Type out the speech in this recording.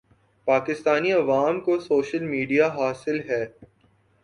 پاکستانی عوام کو social media حاصل ہے